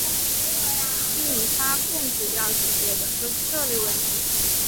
并发控制要解决的就是这类问题。